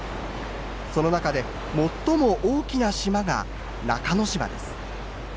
その中で最も大きな島が中之島です。